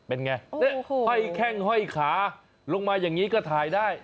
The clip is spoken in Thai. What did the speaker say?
เป็นไงห้อยแข้งห้อยขาลงมาอย่างนี้ก็ถ่ายได้